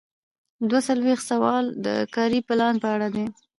دوه څلویښتم سوال د کاري پلان په اړه دی.